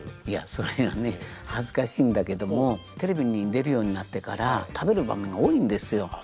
いやそれがね恥ずかしいんだけどもテレビに出るようになってから食べる番組が多いんですよ。